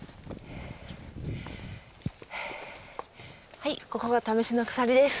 はいここが試しの鎖です。